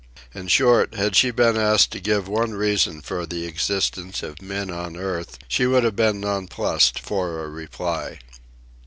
In short, had she been asked to give one reason for the existence of men on the earth, she would have been nonplussed for a reply.